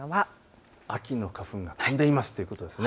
秋の花粉が飛んでいますということです。